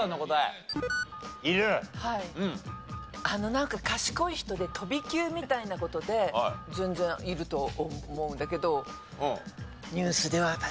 なんか賢い人で飛び級みたいな事で全然いると思うんだけど。